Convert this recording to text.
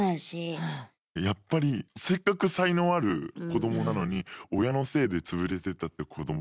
やっぱりせっかく才能ある子どもなのに親のせいでつぶれてったって子ども